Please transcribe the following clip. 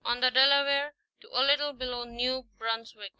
on the Delaware to a little below New Brunswick (N.